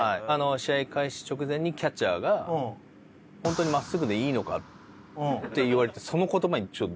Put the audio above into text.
試合開始直前にキャッチャーが「本当に真っすぐでいいのか？」って言われてその言葉にちょっと。